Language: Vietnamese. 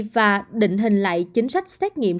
và định hình lại chính sách xét nghiệm